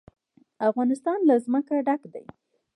افغانستان له ځمکه ډک دی.